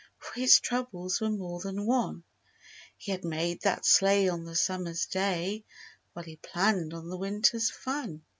For his troubles were more than one: He had made that sleigh on the summer's day While he planned on the winter's fun.